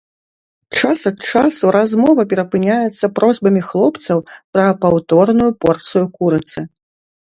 Час ад часу размова перапыняецца просьбамі хлопцаў пра паўторную порцыю курыцы.